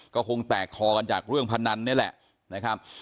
ก็คงแตกคอกันจากเรื่องพนันนี่แหละนะครับ